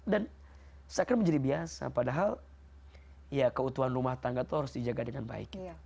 dan seakan akan menjadi biasa padahal ya keutuhan rumah tangga tuh harus dijaga dengan baik gitu